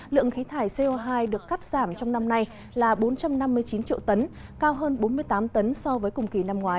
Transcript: lượng khí thải co hai được cắt giảm trong năm nay là bốn trăm năm mươi chín triệu tấn cao hơn bốn mươi tám tấn so với cùng kỳ năm ngoái